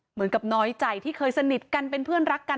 เหมือนกับน้อยใจที่เคยสนิทกันเป็นเพื่อนรักกัน